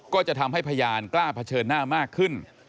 ก็จะทำให้พยานกล้าเผชิญหน้ามากขึ้น